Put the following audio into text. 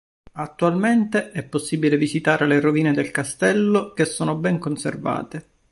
Attualmente è possibile visitare le rovine del castello che sono ben conservate.